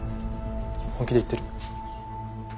本気で言ってる？